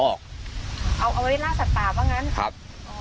เอาเอาบางนั้นครับ